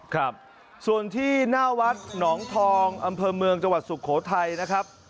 ครับส่วนที่หน้าวัดหนองทองอำเภอเมืองจังหวัดสุโขทัยนะครับ